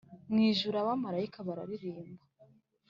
mu ijuru abamarayika bararirimba